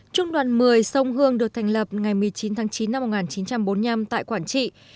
trung đoàn một mươi sông hương được thành lập ngày một mươi chín tháng chín năm một nghìn chín trăm bốn mươi năm tại quảng trị